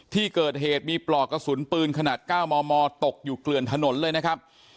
ที่เกิดเหตุมีปลอกกระสุนปืนขนาด๙มมตกอยู่เกลือนถนนเลยนะครับ